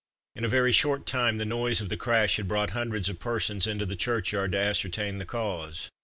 In a very short time, the noise of the crash had brought hundreds of persons into the churchyard to ascertain the cause.